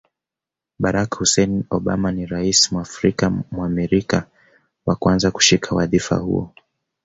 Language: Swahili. Barack Hussein Obama ni Raisi MwafrikaMwamerika wa kwanza kushika wadhifa huo